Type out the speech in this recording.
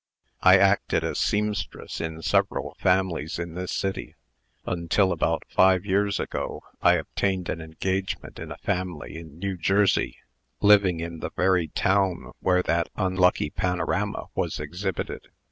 I acted as seamstress in several families in this city, until, about five years ago, I obtained an engagement in a family in New Jersey, living in the very town where that unlucky panorama was exhibited.